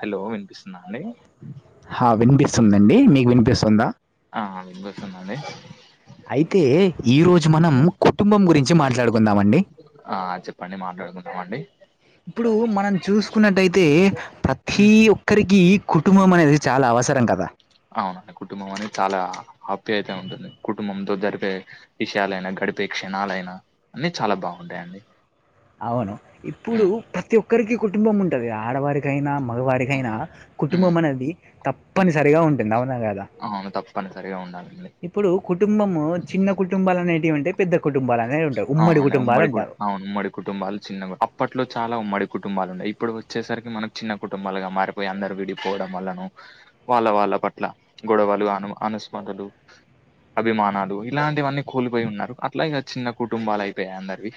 Hello వినిపిస్తుందా అండి హా వినిపిస్తుందండి మీకు వినిపిస్తుందా ఆ వినిపిస్తుందండి అయితే ఈ రోజు మనం కుటుంబం గురించి మాట్లాడుకుందామండి ఆ చెప్పండి మాట్లాడుకుందామండి ఇప్పుడు మనం చూసుకున్నట్టయితే ప్రతీ ఉమ్, ఒక్కరికి కుటుంబం అనేది చాలా అవసరం కదా అవునండి కుటుంబం అనేది చాలా ఆప్యాయతగా ఉంటుంది కుటుంబంతో జరిపే విషయాలయినా గడిపే క్ష క్షణాలయినా అన్ని చాలా బాగుంటాయండి అవును ఇప్పుడు ఉమ్, ప్రతి ఒక్కరికి కుటుంబం ఉంటది కా ఆడవారికైనా మగవారికైనా అవునా? ఉమ్, కుటుంబం అనేది ఉమ్, తప్పనిసరిగా ఉంటుంది అవునా కాదా అవును తప్పనిసరిగా ఉం ఇప్పుడు కుటుంబము చిన్న కుటుంబాలు అనేటివి ఉంటయి పెద్ద కుటుంబాలు అనేవి ఉంటాయి అవునండి కుటుంబాలు ఉమ్మడి అంటారు అవును ఉమ్మడి కుటుంబాలు చిన్న అప్పట్లో చాలా ఉమ్మడి కుటుంబాలు ఉన్నయి ఇప్పుడు వచ్చేసరికి మనకి చిన్న కుటుంబాలుగా మారిపోయి అందరు విడిపోవడం వల్లనో వాళ్ళ వాళ్ళ పట్ల గొడవలు అను అనుస్మతలు అభిమానాలు ఇలాంటివన్నీ కోల్పోయి ఉన్నారు అట్ల ఇక చిన్న కుటుంబాలు అయిపోయాయి అందరివి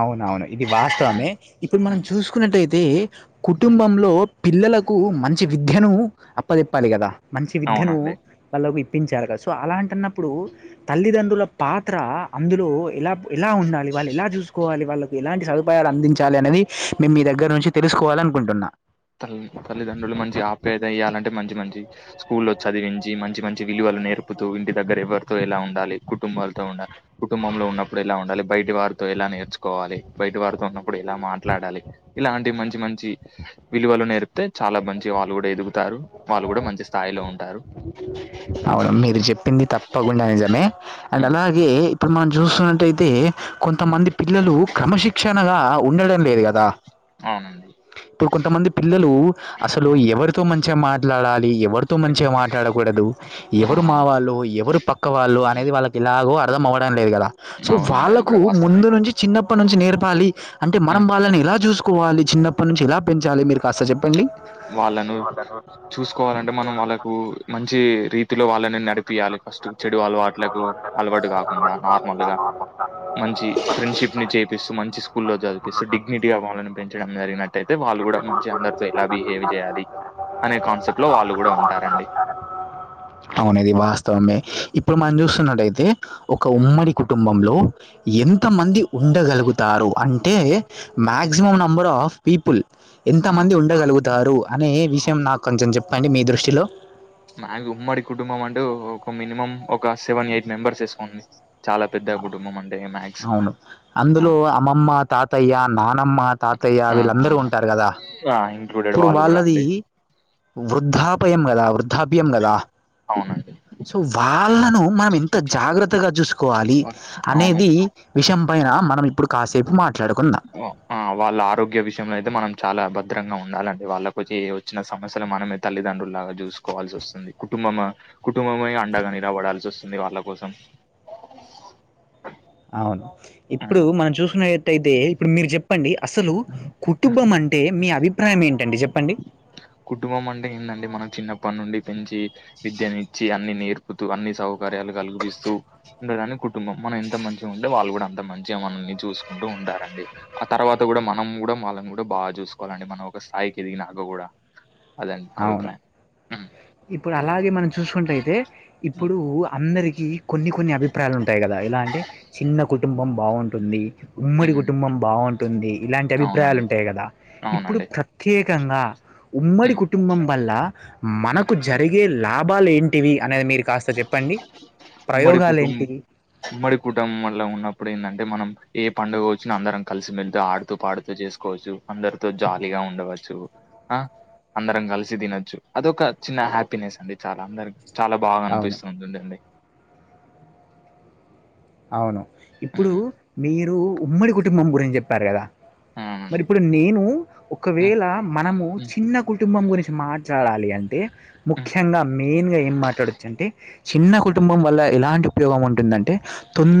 అవునవును ఇది హ్మ్. వాస్తవమే ఇప్పుడు మనం హ్మ్. చూసుకున్నట్టయితే హ్మ్. కుటుంబంలో పిల్లలకు మంచి విద్యను అప్పచెప్పాలి కదా మంచి విద్యను అవునండి. వాళ్ళకు ఇప్పించాలి కదా సో అలాంటన్నప్పుడు తల్లిదండ్రుల పాత్ర అందులో ఎలా ఎలా ఉండాలి వాళ్ళు ఇలా చూసుకోవాలి వాళ్ళకి ఎలాంటి ఉపాయాలు అందించాలనేది మేము మీ దగ్గర నుంచి తెలుసుకోవాలి అనుకుంటున్నా తల్ తల్లిదండ్రులు మంచి ఆప్యాయత ఇయ్యాలంటే మంచి మంచి స్కూల్ల్లో చదివించి మంచి మంచి విలువ నేర్పుతూ ఇంటి దగ్గర ఎవరితో ఎలా ఉండాలి కుటుంబాల ఉండాల కుటుంబంలో ఉన్నప్పుడు ఎలా ఉండాలి బయటి వారు ఎలా నేర్చుకోవాలి బయట వారితో ఉన్నప్పుడు ఇలా మాట్లాడాలి ఇలాంటి మంచి మంచి విలువలు నేర్పితే చాల మంచి వాళ్ళు కూడ ఎదుగుతారు వాళ్ళు కూడ మంచి స్థాయిలో ఉంటారు ఇంకా అవును మీరు చెప్పింది తప్పకుండ నిజమే అండ్ హ్మ్. అలాగే ఇప్పుడు మనం చూస్తున్నట్టయితే హ్మ్. కొంతమంది పిల్లలు క్రమశిక్షణగా ఉండడం లేదు కదా అవునండి. ఇప్పుడు కొంతమంది పిల్లలు అసలు ఉమ్, ఎవరితో మంచి మంచిగా మాట్లాడాలి ఎవరితో మంచిగ ఎవరు- మాట్లాడకూడదు ఆ! ఎవరు మా అవును. వాళ్ళు ఎవరు పక్క వాళ్ళు అనేది వాళ్ళకి ఎలాగో అర్థం అవ్వడం లేదు కదా సో అవునండి అది వాళ్ళకు కూడా వాస్తవమే. ముందు నుంచి చిన్నప్ప నుంచి నేర్పాలి అంటే ఆ! మనం వాళ్ళని ఎలా చూసుకో కోవాలి చిన్నప్పటి నుంచి ఎలా పెంచాలి మీరు కాస్త చెప్పండి వాళ్ళను చూసుకోవాలంటే మనం వాళ్ళకు మంచి రీతి వృత్తిలో వాళ్ళని నడిపియాలి ఫస్ట్ చెడు అలవాట్లకు అలవాటు కాకుండా నార్మల్ గా మంచి ఫ్రెండ్షిప్ ని చేపిస్తూ మంచి స్కూల్లో చదిపిస్తూ డిగ్నిటీగా వాళ్ళని పెంచడం జరిగినట్ యితే వాళ్ళ కూడ మంచి అందరితో ఎలా బిహేవ్ చేయాలి అనే కాన్సెప్ట్ లో వాళ్ళు కూడ ఉంటారండి అవును అది వాస్తవమే ఇప్పుడు మనం చూస్తున్నట్టయితే ఒక ఉమ్మడి కుటుంబంలో ఎంత మంది ఉండగలుగుతారు అంటే మ్యాక్సిమమ్ నెంబర్ ఆఫ్ పీపుల్ ఎంతమంది ఉండగలుగుతారు అనే విషయం నాకు కొంచెం చెప్పండి మీ దృష్టిలో మ ఉమ్మడి కుటుంబం అంటె ఒక మినిమం ఒక సెవెన్ ఎయిట్ మెంబర్స్ వేసుకోండి చాలా పెద్ద ద కుటుంబం అని అవును అందులో అమ్మమ్మ తాతయ్య నానమ్మ తాతయ్య వీళ్ళందరూ ఉంటారు కదా వా ఇప్పుడు వాళ్ళది వృద్ధాపయం కదా వృద్ధాప్యం కదా అవునండి సో వాళ్ళను మనం ఎంత జాగ్రత్తగ చూసుకోవాలి అవును అనేది విషయం పైన ఆ మనం ఇప్పుడు కాసేపు మాట ఆ వాళ్ళ ఆరోగ్య విషయంలో అయితే మనం చాలా అబ చిద్రంగా ఉండాలంటే వాళ్ళకి వచ్చి వచ్చిన సమస్యలు మనమే తల్లిదండ్రులులాగా చూసుకోవాల్సి వస్తుంది కుటుంబం కుటుంబమె అండగా నిలబడాల్సి వస్తుంది వాళ్ళ కోసం అవును ఇప్పుడు ఉమ్. మనం చూసుకున్నయితే ఇప్పుడు మీరు చెప్పండి అసలు కుటుంబం అంటే మీ అభిప్రాయం ఏంటండి చెప్పండి కుటుంబం అంటే ఏందండి మనం చిన్న పన్న నుండి పెంచి విద్యనిచ్చి అన్ని నేర్పుతూ అన్ని సౌకర్యాలు కల్పిస్తూ ఉండదానికి కుటుంబం మనం ఎంత మంచిగ ఉంటే వాళ్ళు కూడ అంత మంచిగా మనల్ని చూసుకుంటూ ఉంటారండి ఆ తర్వాత అ కూడా మనం కూడ వాళ్ళం కూడ బాగా చూసుకోవాలండి మనం ఒక స్థాయికి ఎదిగినాక కూడా అదండి నా అవును అభిప్రాయం ఉమ్, ఇప్పుడు అలాగే మనం చూసుకుంట అయితే ఉమ్, ఇప్పుడు అ అందరికి కొన్ని కొన్ని అభిప్రాయాలు ఉంటాయి కదా ఇలా అంటే చిన్న కుటుంబం బాగుంటుంది ఉమ్మడి ఉమ్, కుటుంబం బాగుంటుంది ఇలాంటి అభిప్రాయాలు అవునండి ఉంటాయి కదా ఇప్పుడు అవునండి. ప్రత్యేక కంద ఉమ్మడి హ్మ్. కుటుంబం వల్ల హ్మ్. మనకు జరిగే లాభాలు ఏంటివి అనేది మీరు కాస్త చెప్పండి ప్రయోగాలు మరికుటంబ ఏంటివి మరిికటంబ మల ఉన్న ఇప్పుడు ఏందంటే మనం ఏ పండుగ వచ్చిన అందరం కలిసి మెళ్తూ ఆడుతూ పాడుతూ చేస్ కోచ్చు అందరితో జాలీగా ఉండవచ్చు ఆ అందరం కలిసి తినొచ్చు అదొక చిన్న హ్యాపీనెస్ అండి చాలా అందరి చాలా బాగ అవును అనిపిస్తు ఉంటుందండి అవును ఇప్పుడు హ్మ్. మీరు ఉమ్మడి కుటుంబం గురించి చెప్పారు కదా మరి అవునండి. ఇప్పుడు నేను హ్మ్. ఒకవేళ మనము హ్మ్. చిన్న కుటుంబం గురిం మాట్లాడాలి అంటే హ్మ్. ముఖ్యంగా మెయిన్ గా ఏం మాట్లాడచ్చు అంటే చిన్న హ్మ్. కుటుంబం వల్ల ఎలాంటి ఉపయోగం ఉంటుందంటే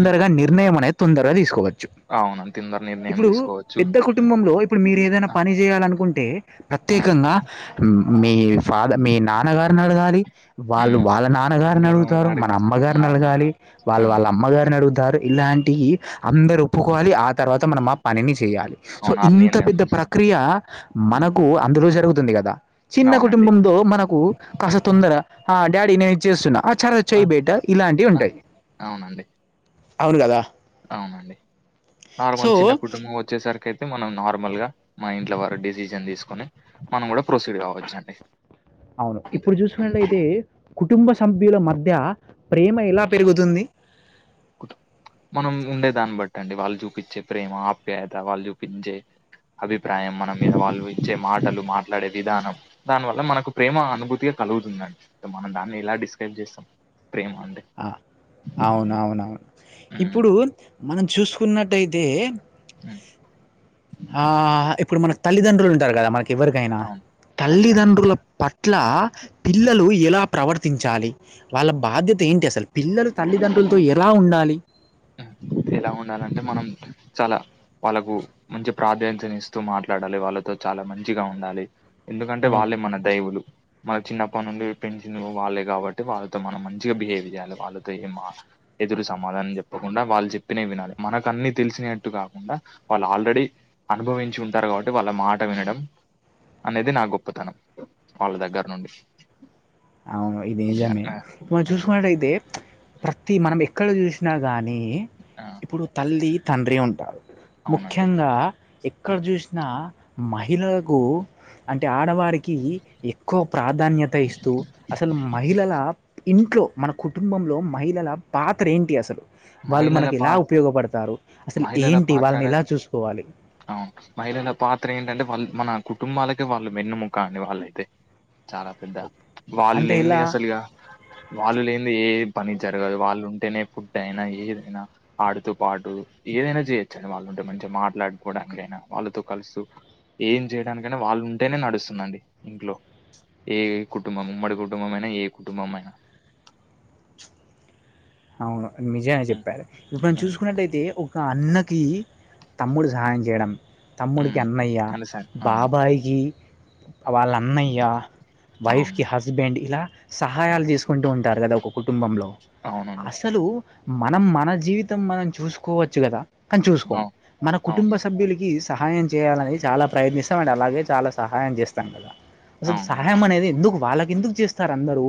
హ్మ్. నిర్ణయం అనేది తొందరగా తీసుకోవ అవును. తొందర నిర్ణయం ఇప్పుడు తీసుకోవచ్చు. పెద్ద హ్మ్. కుటుంబంలో ఇప్పుడు మీరు ఏదైనా ఆ! పని చేయాలనుకుంటే ఆ! ప్రత్యేకంగా ఆ! మీ ఫాద మీ నాన్నగారిని అడగాలి వాళ్ళు హ్మ్. వాళ్ళ నాన్న నాన్న గారుని అడుగుతారు మన అమ్మగారిని అవును. అలగాలి వాళ్ళ ఆ! వాళ్ళ అమ్మగారి తారు ఇలాంటియి అందరు ఒప్పుకోవాలి ఆ తర్వాత మనం ఆ పనిని చేయాలి సో అవును. ఆ ఇంత నిర్ణయం పెద్ద ప్రక్రియ హ్మ్. మనకు అందులో జరుగు తుంది కదా చిన్న అవునండి. కుటుంబంలో మనకు కాస్త హ్మ్. తొందర ఆ డాడీ నేను ఇచ్చేస్తున్నా సరే ఆ! చేయి బేట ఇలాంటివి ఆ! ఉంటాయి అవునండి. అవును గదా అవునండి నార్మల్ చిన్న కుటుంబం వచ్చేసరికే మనం నార్మల్ గా మా ఇంట్లో వారు డెసిషన్ తీసుకొని మనం కూడా ప్రొసీడ్ కావచ్చండి అవును ఇప్పుడు చూసుకున్నట్లయితే కుటుంబ సభ్యుల మధ్య ప్రేమ ఎలా పెరుగుతుంది మనం ఉండే దాన్ని బట్టి అండి వాళ్ళు చూపించే ప్రేమ ఆప్యాయత వాళ్ళు చూపించే అభిప్రాయం మన మీద వాళ్ళు ఇచ్చే మాటలు మాట్లాడే విధానం దానివల్ల మనకు ప్రేమ అనుభూతిగా కలుగుతుందండి మనం దాన్ని ఎలా డిస్క్రైబ్ చేస్తాం ప్రేమ అంటే. ఆ అవున అవును అవును హ్మ్. ఇప్పుడు మనం చూసుకున్నట్టయితే ఉ ఆ ఇప్పుడు మనకి తల్లిదండ్రులు ఉంటారు కదా మనకి ఎవరికైనా అవును. తల్లిదండ్రుల తల్లిదండ్రులుంటారు. పట్ల హ్మ్. పిల్లలు ఎలా ప్రవర్తించాలి వాళ్ళ బాధ్యత ఏంటి అసలు పిల్లలు తల్లిదండ్రులతో ఎలా ఉండాలి ఎలా ఉండాలంటే మనం చాలా వాళ్ళకు మంచి ప్రాధాన్యతను ఇస్తూ మాట్లాడాలి వాళ్ళతో చాలా మంచిగా ఉండాలి ఎందుకంటే అవును వాళ్ళే మన దైవులు మన చిన్నప్పటి నుండి పెంచింది వాళ్ళే కాబట్టి వాళ్ళతో మనం మంచిగా బిహేవ్ చేయాలి వాళ్ళతో ఎం మా ఎదురు సమాధనం చె కుండా వాళ్ళు చెప్పినవి వినాలి మనకు అన్ని తెలిసినట్టు కాకుండా వాళ్ళు ఆల్రెడీ అనుభవించి ఉంటారు కాబట్టి వాళ్ళ మాట వినడం అనేది నా గొప్పతనం వాళ్ళ దగ్గర నుంచ్ అవును ఇది నిజమే మనం ఉమ్, చూసుకున్నట్టయితే ప్రతి మనం ఎక్కడ చూసినా గాన్ నీ ఆ, ఇప్పుడు తల్లి తండ్రి ఉంటారు అవునండి ముఖ్యంగా ఎక్కడ ఉమ్. చూసినా మహిళలకు అంటే ఆ డవారికి ఎక్కువ ప్రాధాన్యత ఇస్తూ అసలు మహిళల ఇంట్లో మన కుటుంబంలో మహిళల పాత్ర ఏంటి అసలు వాళ్ళు మహిళల మనకి పా ఎలా ఉపయోగపడతారు అసలు మహిళల ఏంటి పాత్ర వాళ్ళని అనే ఎలా చూసుకోవాలి అవును మహిళల పాత్ర ఏంటంటే వాళ్ళు మన కుటుంబాలకే వాళ్ళు వెన్నుముక్క అండి వాళ్ళైతే చాలా పెద్ద వాళ్ళు అంటే లేనిది ఇలా అసలు ఇగ వాళ్ళు లేనిది ఏ పని జరగదు వాళ్ళు ఉంటేనే ఫుడ్ అయినా ఏదైనా ఆడుతు పాటు ఏదైనా చేయొచ్చండి వాళ్ళు ఉంటే మంచిగా మాట్లాడుకోడానికైనా వాళ్ళతో క సు ఏం చేయడానికే వాళ్ళు ఉంటేనే నడుస్తుందండి ఇంట్లో ఏ కుటుంబం ఉమ్మడి కుటుంబం అయినా న ఏ కుటుంబమైన చు అవును నిజమే హ్మ్. చెప్పారు ఇప్పుడు మనం హ్మ్. చూసుకున్నట్ట అయితే ఒక అన్నకి తమ్ముడు సహాయం చేయడం తమ్ముడికి హ్మ్. అన్నయ్య అంతే సార్ అవును. బాబాయికి వాళ్ళ అన్నయ్య వైఫ్ అవును. కి హస్బెండ్ ఇలా సహాయాలు చేసుకుంటూ ఉంటారు కదా ఒక కుటుంబంలో అవునండి. లు మనం మన జీవితం మనం చూసుకోవచ్చు కదా కానీ చూసుకోం అవ్ మన కుటుంబ అవును. సభ్యులకి సహాయం చేయాలని చాలా ప్రయత్నిస్తాం అండ్ అలాగే చాలా సహాయం చేస్తాం కదా అసలు అవును. సహాయం అనేది ఎందుకు వాళ్ళకి ఎందుకు చేస్తారు అందరూ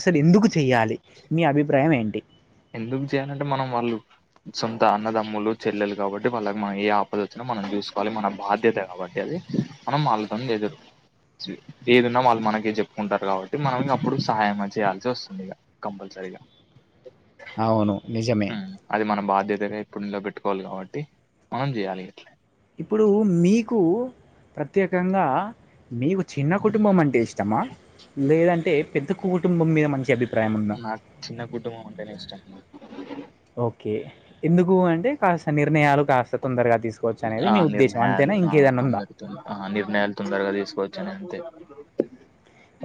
అసలు ఎందుకు చెయ్యాలి మీ అభిప్రాయం ఏంటి ఎందుకు చేయాలంటే మనం వాళ్ళు సొంత అన్నదమ్ములు చెల్లెలు కాబట్టి వాళ్ళకి మనం ఏ ఆపద వచ్చినా మనం చూసుకోవాలి మన బాధ్యత కాబట్టి అది మనం వాళ్ళతోని ఎదు ఏదన్నా వాళ్ళు మనకే చెప్పుకుంటారు కాబట్టి మనం అప్పుడు సహయం చేయాల్సి వస్తుంది ఇగ కంపల్సరీ రిగా అవును నిజమే ఉమ్ అది మన బాధ్యతగా ఎపుడు నిలువబెట్టు కోవాలి కాబట్టి మనం చేయాలి ఎట్ల ఇప్పుడు మీకు ప్రత్యేకంగా మీకు చిన్న కుటుంబం అంటే ఇష్టమా లేదంటే పెద్ద కుటుంబం మీద మని నాకు చిన్న కుటుంబం అంటేనే ఇష్టం ఓకే ఎందుకు అంటే కాస్త నిర్ణయాలు కాస్త తొందరగా తీసుకు ఆ నిర్ణయాలు ఆ అందరితోని ఆ నిర్ణయాలు తొందరగా తీసుకోవచ్చని అంతే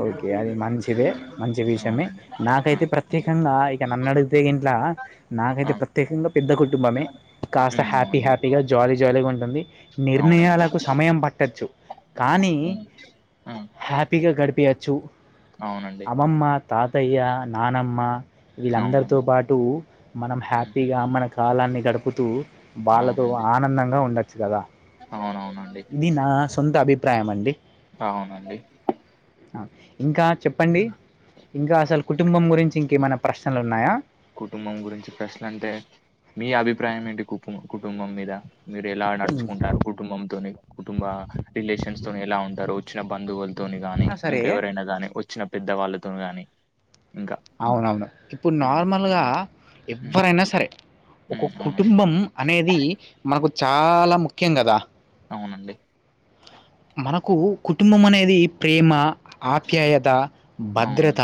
ఓకే అది మంచిదే మంచి విషయమే అవునండి నాకైతే ప్రత్యేకంగా ఇక నన్నడిగితే ఇంట్ల ఆ నాకైతే ప్రత్యేకంగా పెద్ద కుటుంబమే కాస్త హ్యాపీ అవునండి హ్యాపీగా జాలీ జాలీగా ఉంటుంది అవునండి అవును. నిర్ణయాలకు సమయం పట్టచ్చు కానీ ఉమ్, ఆ, హ్యాపీగా గడిపే పేయచ్చు అవునండి అమ్మమ్మ తాతయ్య నానమ్మ వీళ్ళందరితో అవునండి పాటు మనం ఉమ్, హ్యాపీగా మన కాలాన్ని గడుపుతూ వాళ్ళతో అవునండి ఆనందంగా ఉండచ్చు కదా అవునవునండి ఇది నా సొంత అభిప్రాయం అండి అవునండి ఇంకా చెప్పండి ఇంకా ఇంకా అసలు కుటుంబం గురించి ఇంకేమైనా ప్రశ్నలు ఉన్నాయా కుటుంబం గురించి ప్రశ్నలంటే మీ అభిప్రాయం ఏంటి కుటుంబం మీద మీరెలా నడుచుకుంటారు ఉన్నా కుటుంబంతోని కుటుంబ రిలేషన్స్ తోని ఎలా ఉంటరు వచ్చిన బంధువులతోని గాని సరే ఇంకెవరైనా గాని వచ్చిన పెద్దవాళ్ళతో గాని ఇంకా అవునవును ఇప్పుడు ఉమ్ నార్మల్గా ఉమ్ ఎవ్వరైనా సరే ఒక ఉమ్ అవునండి కుటుంబం అనేది మనకు చాలా ముఖ్యం కదా అవునండి మనకు కుటుంబం అనేది ప్రేమ ఆప్యాయత అవును భద్రత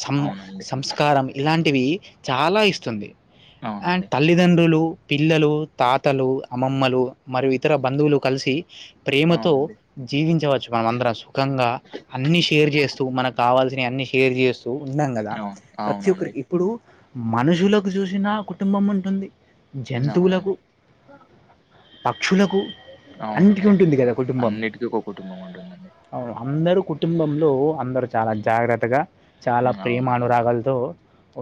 సం అవునండి సంస్కారం ఇలాంటివి చాలా ఇస్తుంది ఆ అవునండి తల్లిదండ్రులు పిల్లలు తాతలు అమ్మమ్మలు మరియు ఇతర బంధువులు కలిసి ప్రేమతో అవునండి జీవించవచ్చు మనం అందరం సుఖంగా అన్ని షేర్ చేస్తూ మనకు కావాల్సినవి అన్ని షేర్ చేస్తూ ఉన్నాం కదా అవును ప్రతి అవునండి ఒక్కరికి ఇప్పుడు మనుషులకు చూసినా కుటుంబం ఉంటుంది మ్మ్ జంతువులకు, అవునండి పక్షులకు అన్నిటికి అవునండి ఉంటుంది కదా కుటుంబం అన్నిటికీ ఒక కుటుంబం ఉంటుందండి అవును అందరూ కుటుంబంలో అందరు చాలా ఉమ్ జాగ్రత్తగా చాలా ప్రేమ అవును అవునండి అనురాగాలతో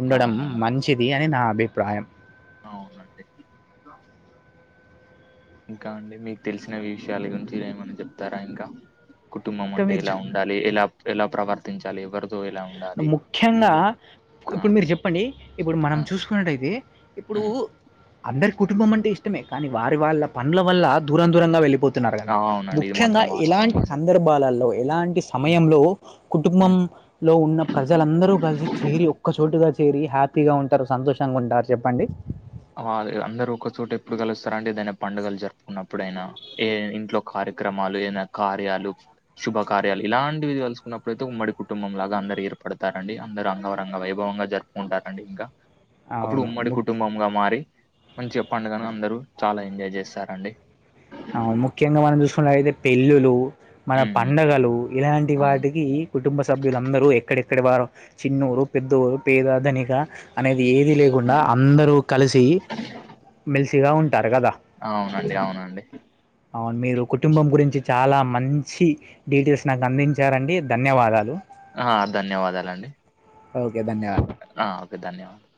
ఉండడం అవునండి మంచిది అని నా అభిప్రాయం అవునండి ఇంకా అండి మీకు తెలిసిన విషయాల గురించి ఏమన్నా చెప్తారా ఇంకా కుటుంబం ఇంకా అంటే మీరు చూ ఎలా ఉండాలి ఎలా ఎలా ప్రవర్తించాలి ఎవరు ముఖ్యంగా ఆ ఇప్పుడు మీరు చెప్పండి ఇప్పుడు మనం ఆ చూసుకున్నట్టయితే ఇప్పుడు ఉమ్ అందరికి కుటుంబం అంటే ఇష్టమే కానీ వారి వాళ్ళ పన్ల వల్ల దూరం దూరంగా వెళ్ళిపోతుంది తున్నారు కదా ఆ, అవునండి ఇది ముఖ్యంగా మాత్రం వాస్తవం ఇలాంటి అండి సందర్భాలలో ఇలాంటి ఉమ్ సమయంలో కుటుంబం ఉమ్ లో ఉన్న ప్రజలందరూ కలిసి చేరి ఒక్క చోటుగా చేరి హ్యాప్ పీగా ఉంటారు సంతోషంగా ఉంటారు చెప్పండి ఆ అందరు ఒకచోట ఎప్పుడు కలుస్తారంటే ఏదైనా పండుగలు జరుపుకున్నప్పుడయినా ఏ ఇంట్లో క కార్యక్రమాలు ఏనా కార్యాలు శుభ కార్యాలు ఇలాంటివి వలుసుకున్నప్పుడు ప్రతి ఉమ్మడి కుటుంబం లాగా అందరి ఏర్పడతారండి అందరు అంగరంగ వైభవంగా జరుపుకుంటారండి ఇంకా అప్పుడు అవును ఉమ్మడి ముఖ్య కుటుంబంగా అండి మంచి పండగను అందరు చాలా ఎంజాయ్ చేస్తారండి ఆ ముఖ్యంగా మనం చూసుకున్నవయితే పెళ్ళులు మన ఉమ్ పండగలు ఇలాంటి అవును వాటికి కుటుంబ స సభ్యులందరూ ఎక్కడెక్కడ వారు చిన్నూరు పెద్దూరు పేద దనిక అనేది ఏది లేకుండా అందరూ కలిసి మెలిసిగా ఉంటారు కదా అవునండి అవునండి ఆ మీరు కుటుంబం గురించి చాలా మంచి డీటెయిల్స్ నాకు అందించారండి ధన్యవాదాలు ఆ ధన్యవాదాలండి ఓకే ధన్యవాదాలు ఆ ఓకే ధన్యవాదాలూ